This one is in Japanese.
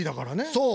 そう。